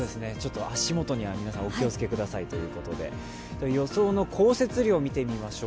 足元には皆さん、お気をつけくださいということで、予想の降雪量、見てみましょう。